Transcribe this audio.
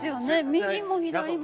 右も左も。